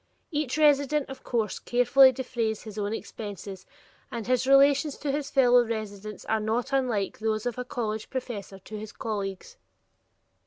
Each resident, of course, carefully defrays his own expenses, and his relations to his fellow residents are not unlike those of a college professor to his colleagues.